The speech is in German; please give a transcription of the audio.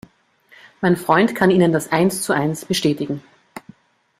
Mein Freund kann Ihnen das eins zu eins bestätigen.